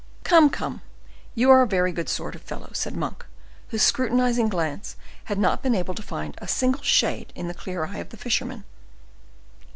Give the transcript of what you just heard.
"Come, come, you are a very good sort of fellow," said Monk, whose scrutinizing glance had not been able to find a single shade in the clear eye of the fisherman.